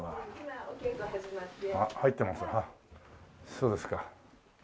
そうですか。